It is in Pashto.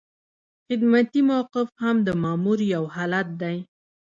خدمتي موقف هم د مامور یو حالت دی.